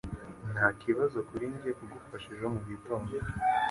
Ntakibazo kuri njye kugufasha ejo mugitondo.